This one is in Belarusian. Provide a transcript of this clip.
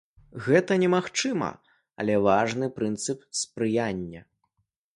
Гэта немагчыма, але важны прынцып спрыяння.